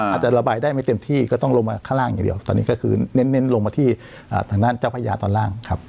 อาจจะระบายได้ไม่เต็มที่ก็ต้องลงมาข้างล่างอย่างเดียวตอนนี้ก็คือเน้นลงมาที่ทางด้านเจ้าพญาตอนล่างครับ